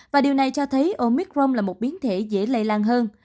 và điều này cho thấy omicrom là một biến thể dễ lây lan hơn